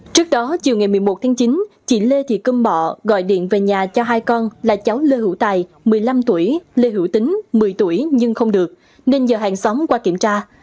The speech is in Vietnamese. trước đó chiều ngày một mươi một tháng chín chị lê thị câm bọ gọi điện về nhà cho hai con là cháu lê hữu tài một mươi năm tuổi lê hữu tính một mươi tuổi nhưng không được nên giờ hàng xóm qua kiểm tra